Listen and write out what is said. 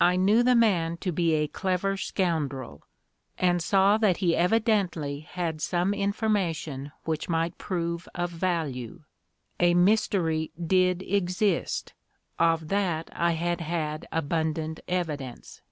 I knew the man to be a clever scoundrel, and saw that he evidently had some information which might prove of value. A mystery did exist of that I had had abundant evidence.